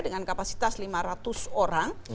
dengan kapasitas lima ratus orang